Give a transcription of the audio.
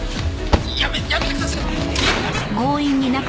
やめやめてください！